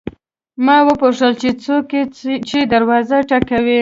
ما وپوښتل چې څوک یې چې دروازه ټکوي.